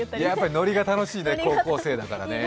ノリが楽しいね、高校生はね。